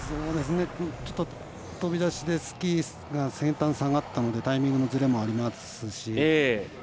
ちょっと飛び出してスキーが先端下がったのでタイミングのずれもありますし。